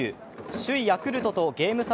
首位ヤクルトとゲーム差